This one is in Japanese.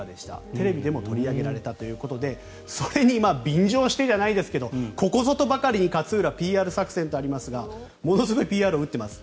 テレビでも取り上げられたということでそれに便乗してじゃないですがここぞとばかりに勝浦がＰＲ作戦とありますがものすごいＰＲを打っています。